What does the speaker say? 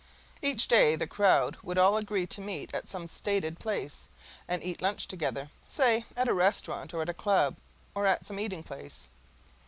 Each day the crowd would all agree to meet at some stated place and each lunch together, say at a restaurant or at a club or at some eating place.